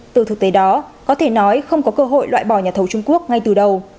từ thực tế đó có thể nói không có cơ hội loại bỏ nhà thầu trung quốc ngay từ đầu